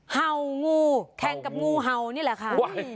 เห่างูแข่งกับงูเห่านี่แหละค่ะ